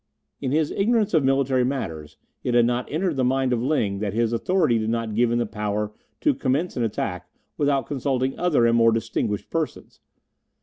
In his ignorance of military matters it had not entered the mind of Ling that his authority did not give him the power to commence an attack without consulting other and more distinguished persons.